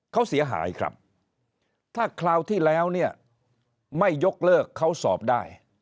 เขาเสียหายครับถ้าคราวที่แล้วเนี่ยไม่ยกเลิกเขาสอบได้